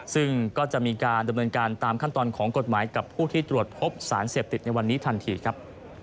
ซึ่งก็จะมีการดำเนินการตามขั้นตอนของกฎหมายกับผู้ที่ตรวจพบสารเสพติดในวันนี้ทันทีครับ